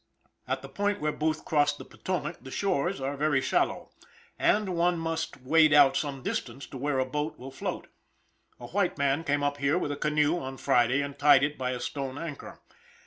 At the point where Booth crossed the Potomac the shores are very shallow, and one must wade out some distance to where a boat will float. A white man came up here with a canoe on Friday, and tied it by a stone anchor.